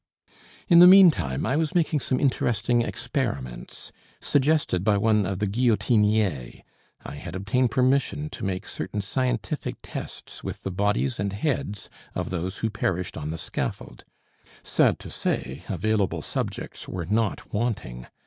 In the meantime I was making some interesting experiments suggested by one of the guillotiniers. I had obtained permission to make certain scientific tests with the bodies and heads of those who perished on the scaffold. Sad to say, available subjects were not wanting.